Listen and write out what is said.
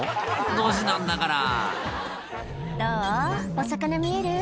ドジなんだから「どう？お魚見える？」